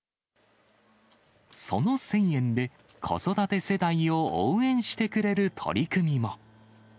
その１０００円で、子育て世代を応援してくれる取り組みも。